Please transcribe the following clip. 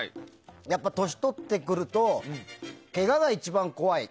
やっぱり年を取ってくるとけがが一番怖い。